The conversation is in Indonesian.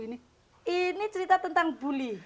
ini cerita tentang buli